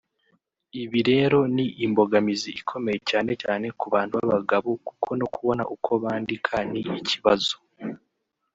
Ibi rero ni imbogamizi ikomeye cyane cyane ku bantu b’abagabo kuko no kubona uko bandika ni ikibazo